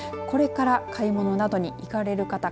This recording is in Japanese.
これから買い物などに行かれる方